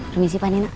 permisi pak nino